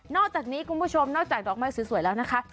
อกจากนี้คุณผู้ชมนอกจากดอกไม้สวยแล้วนะคะ